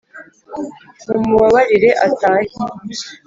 mu mubabarire atahe